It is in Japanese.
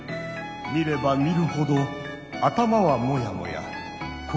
見れば見るほど頭はモヤモヤ心もモヤモヤ。